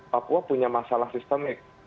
papua punya masalah sistemik